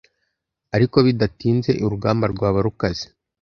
Ariko bidatinze, urugamba rwaba rukaze.